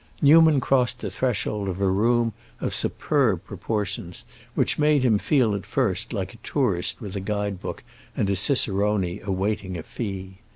Newman crossed the threshold of a room of superb proportions, which made him feel at first like a tourist with a guide book and a cicerone awaiting a fee.